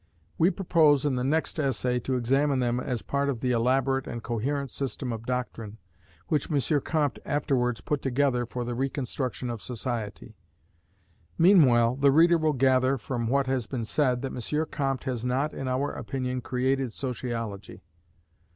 We propose in the next Essay to examine them as part of the elaborate and coherent system of doctrine, which M. Comte afterwards put together for the reconstruction of society. Meanwhile the reader will gather, from what has been said, that M. Comte has not, in our opinion, created Sociology.